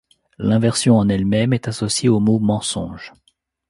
L'inversion en elle-même est associée au mot mensonge.